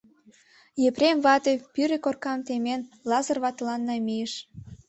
Епрем вате, пӱрӧ коркам темен, Лазыр ватылан намийыш.